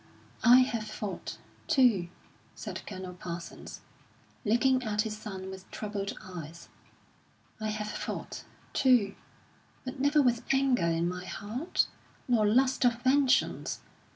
"I have fought, too," said Colonel Parsons, looking at his son with troubled eyes "I have fought, too, but never with anger in my heart, nor lust of vengeance.